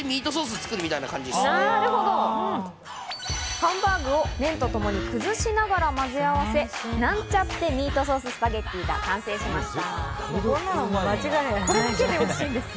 ハンバーグを麺とともに崩しながらまぜ合わせ、なんちゃってミートソーススパゲッティが完成しました。